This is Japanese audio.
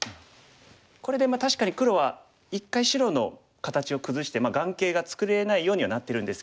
これで確かに黒は一回白の形を崩して眼形が作れないようにはなってるんですけれども。